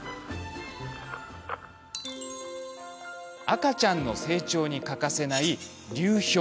赤ちゃんの成長に欠かせない流氷。